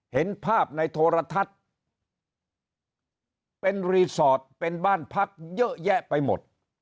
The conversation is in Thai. เห็นภาพในโทรทัศน์เป็นรีสอร์ทเป็นบ้านพักเยอะแยะไปหมด